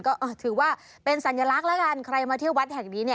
ก็ถือว่าเป็นสัญลักษณ์แล้วกันใครมาเที่ยววัดแห่งนี้